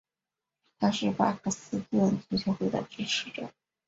他是巴克斯顿足球会的支持者。